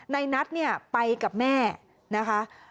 ในนัทเนี่ยไปกับแม่นะคะ